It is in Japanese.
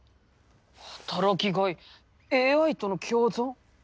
働きがいＡＩとの共存？